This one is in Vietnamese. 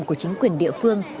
của chính quyền địa phương